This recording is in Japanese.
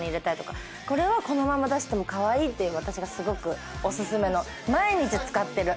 これは、このまま出してもかわいいって、私がすごくおすすめの毎日使っている。